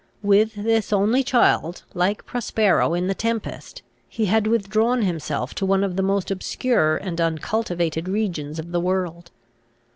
With this only child, like Prospero in the Tempest, he had withdrawn himself to one of the most obscure and uncultivated regions of the world.